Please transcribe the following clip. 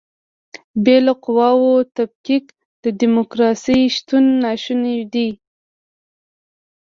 بې له قواوو تفکیک د دیموکراسۍ شتون ناشونی دی.